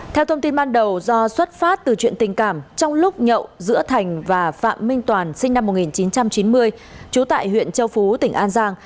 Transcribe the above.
theo thông tin ban đầu do xuất phát từ chuyện tình cảm trong lúc nhậu giữa thành và phạm minh toàn sinh năm một nghìn chín trăm chín mươi trú tại huyện châu phú tỉnh an giang